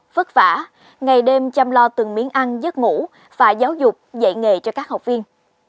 vất vả ngày đêm chăm lo từng miếng ăn giấc ngủ và giáo dục dạy nghề cho các học viên